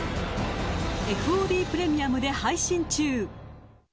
ＦＯＤプレミアムで配信中。